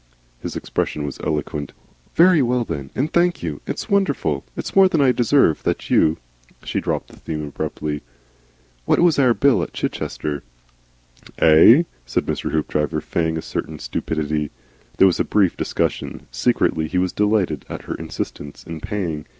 His expression was eloquent. "Very well, then, and thank you. It's wonderful it's more than I deserve that you " She dropped the theme abruptly. "What was our bill at Chichester?" "Eigh?" said Mr. Hoopdriver, feigning a certain stupidity. There was a brief discussion. Secretly he was delighted at her insistence in paying.